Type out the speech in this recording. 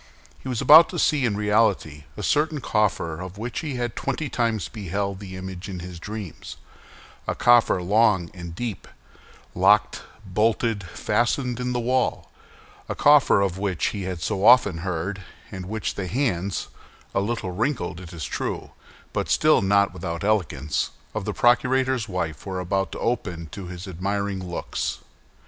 He was about to see in reality a certain coffer of which he had twenty times beheld the image in his dreams—a coffer long and deep, locked, bolted, fastened in the wall; a coffer of which he had so often heard, and which the hands—a little wrinkled, it is true, but still not without elegance—of the procurator's wife were about to open to his admiring looks.